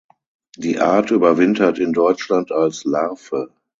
Die Art überwintert in Deutschland als Larve.